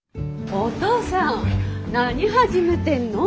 おとうさん何始めてんの？